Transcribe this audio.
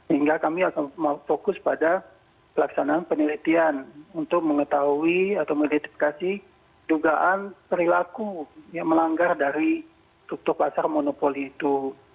hingga kami akan fokus pada pelaksanaan penelitian untuk mengetahui atau mengidentifikasi dugaan perilaku yang melanggar dari struktur pasar monopoli itu